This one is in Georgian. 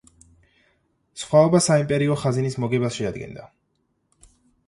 სხვაობა საიმპერიო ხაზინის მოგებას შეადგენდა.